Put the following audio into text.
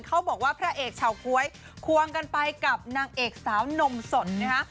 เขาบอกว่าพระเอกเฉาก๊วยควงกันไปกับนางเอกสาวนมสนนะคะ